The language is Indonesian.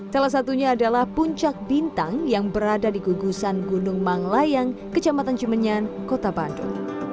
salah satunya adalah puncak bintang yang berada di gugusan gunung manglayang kecamatan cimenyan kota bandung